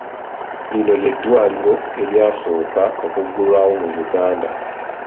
Lino lye dddwaliro eryasooka okuggulwawo mu Uganda?